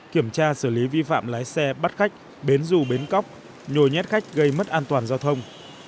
kiểm tra xử lý vi phạm lái xe bắt khách bến dù bến cóc nhồi nhét khách gây mất an toàn giao thông